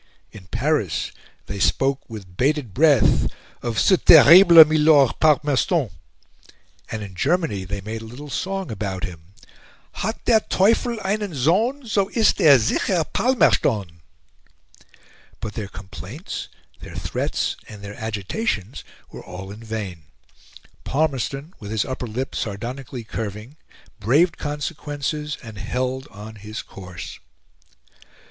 In Paris they spoke with bated breath of "ce terrible milord Palmerston;" and in Germany they made a little song about him "Hat der Teufel einen Sohn, So ist er sicher Palmerston." But their complaints, their threats, and their agitations were all in vain. Palmerston, with his upper lip sardonically curving, braved consequences, and held on his course.